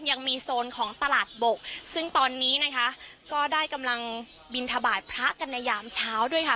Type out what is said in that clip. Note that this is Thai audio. ยังมีโซนของตลาดบกซึ่งตอนนี้นะคะก็ได้กำลังบินทบาทพระกันในยามเช้าด้วยค่ะ